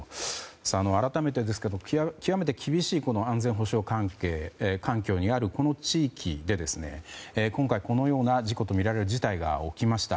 改めて、極めて厳しい安全保障環境にあるこの地域で、今回このような事故とみられる事態が起きました。